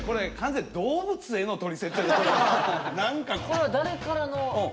これは誰からの。